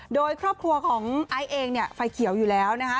โดยครอบครัวของไอซ์เองเนี่ยไฟเขียวอยู่แล้วนะคะ